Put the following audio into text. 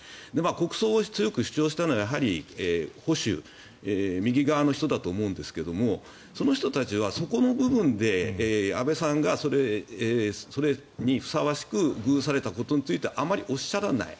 国葬を強く主張したのはやはり保守右側の人だと思うんですがその人たちはそこの部分で安倍さんがそれにふさわしく遇されたことについてはあまりおっしゃらない。